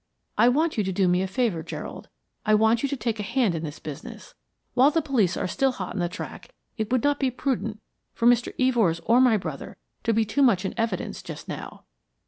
I want you to do me a favor, Gerald. I want you to take a hand in this business. While the police are still hot upon the track it would not be prudent for Mr. Evors or my brother to be too much in evidence just now."